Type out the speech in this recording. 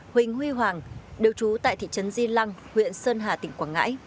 huỳnh huy hoàng đều trú tại thị trấn di lăng huyện sơn hà tỉnh quảng ngãi